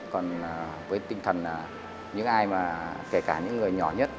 còn với tinh thần kể cả những người nhỏ nhất